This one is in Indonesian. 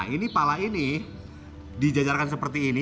ini pala ini dijajarkan seperti ini